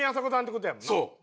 そう。